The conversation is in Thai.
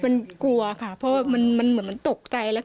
มันกลัวค่ะเพราะว่ามันตกใจแล้ว